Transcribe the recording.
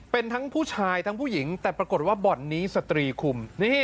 เป็นทั้งผู้ชายทั้งผู้หญิงแต่ปรากฏว่าบ่อนนี้สตรีคุม